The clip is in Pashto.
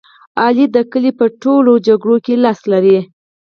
علي د کلي په ټول لانجو کې لاس لري.